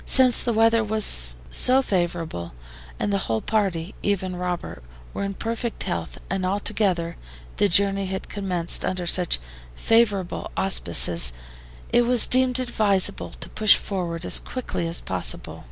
Since the weather was so favorable, and the whole party, even Robert, were in perfect health, and altogether the journey had commenced under such favorable auspices, it was deemed advisable to push forward as quickly as possible.